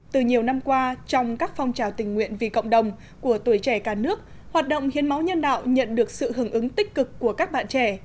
từ nhiều năm qua trong các phong trào tình nguyện vì cộng đồng của tuổi trẻ cả nước hoạt động hiến máu nhân đạo nhận được sự hưởng ứng tích cực của các bạn trẻ